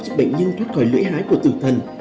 giúp bệnh nhân thoát khỏi lưỡi hái của tử thần